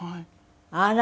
あら！